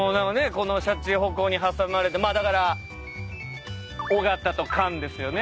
このしゃちほこに挟まれてまあだから尾形と菅ですよね。